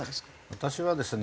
私はですね